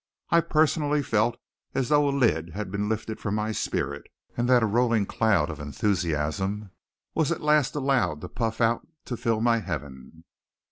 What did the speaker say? I personally felt as though a lid had been lifted from my spirit, and that a rolling cloud of enthusiasm was at last allowed to puff out to fill my heaven.